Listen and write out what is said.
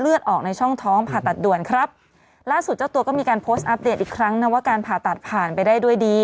ออกในช่องท้องผ่าตัดด่วนครับล่าสุดเจ้าตัวก็มีการโพสต์อัปเดตอีกครั้งนะว่าการผ่าตัดผ่านไปได้ด้วยดี